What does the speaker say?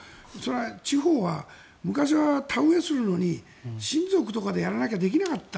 地方は、昔は昔は田植えするのに親族とかでやらなきゃできなかった。